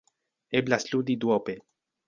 Eblas ludi duope.